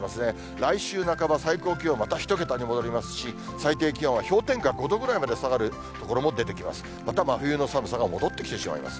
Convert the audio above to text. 来週半ば、最高気温、また１桁に戻りますし、最低気温は氷点下５度ぐらいまで下がる所も出てきます。